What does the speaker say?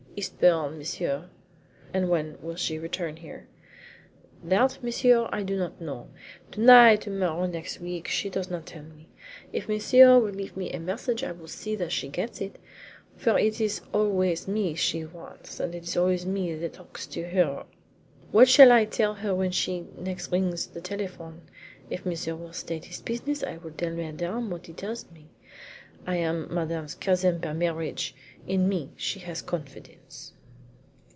"Eastbourne, monsieur." "And when will she return here?" "That, monsieur, I do not know. To night to morrow next week she does not tell me. If Monsieur will leave me a message I will see that she gets it, for it is always me she wants, and it is always me that talks to her. What shall I tell her when next she rings the telephone? If Monsieur will state his business I will tell Madame what he tells me. I am Madame's cousin by marriage in me she has confidence."